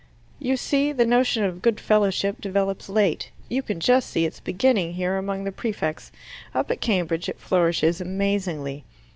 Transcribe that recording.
"You see, the notion of good fellowship develops late: you can just see its beginning here among the prefects: up at Cambridge it flourishes amazingly.